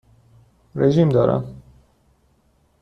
رژیم دارم.